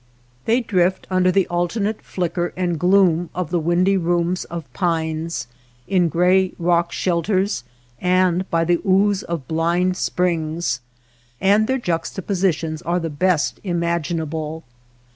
Thej^^driftunder^the^ alternate flicker 217 WATER BORDERS and gloom of the windy rooms of pines, in gray rock shelters, and by the ooze of blind springs, and their juxtapositions are the be?t imaginable.